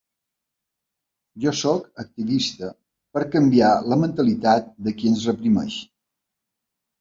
Jo sóc activista per a canviar la mentalitat de qui ens reprimeix.